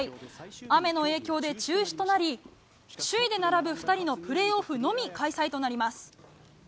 雨の影響で中止となり首位で並ぶ２人のプレーオフのみ開催となります。